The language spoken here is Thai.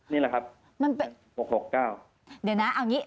นี่แหละครับ